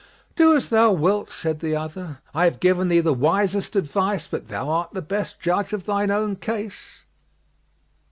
"Do as thou wilt," said the other "I have given thee the wisest advice, but thou art the best judge of thine own case."